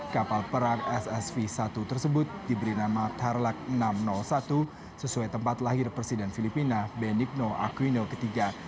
kapal perang ssv satu tersebut diberi nama tarlak enam ratus satu sesuai tempat lahir presiden filipina benikno aquino ketiga